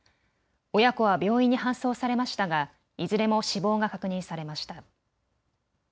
親子は病院に搬送されましたがいずれも死亡が確認されました。